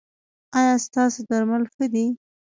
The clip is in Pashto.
ایا ستاسو درمل ښه دي؟